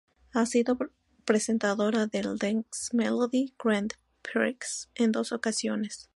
Ha sido presentadora del Dansk Melodi Grand Prix en dos ocasiones.